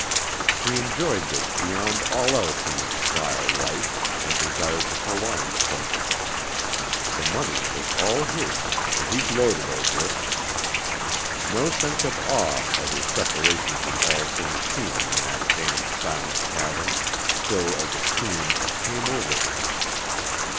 He enjoyed this beyond all else in his vile life, and desired to prolong the pleasure. The money was all his, and he gloated over it. No sense of awe at his separation from all things human in that damp, silent cavern, still as a tomb, came over him.